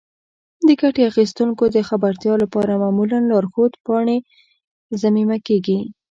د ګټې اخیستونکو د خبرتیا لپاره معمولا لارښود پاڼې ضمیمه کیږي.